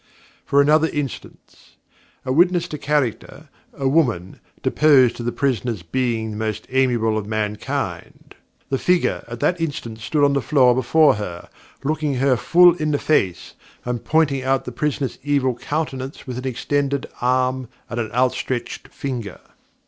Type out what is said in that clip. For another instance. A witness to character, a woman, deposed to the prisoner's being the most amiable of mankind. The figure at that instant stood on the floor before her, looking her full in the face, and pointing out the prisoner's evil countenance with an extended arm and an outstretched finger.